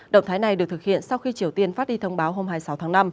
động thái này được thực hiện sau khi triều tiên phát đi thông báo hôm hai mươi sáu tháng năm